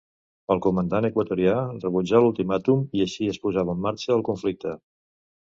El comandant equatorià rebutjà l'ultimàtum, i així es posava en marxa el conflicte.